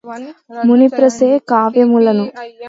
మూని వ్రాసె కావ్యములను